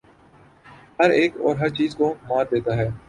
ہر ایک اور ہر چیز کو مار دیتا ہے